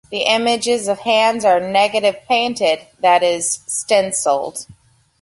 The images of hands are negative painted, that is, stencilled.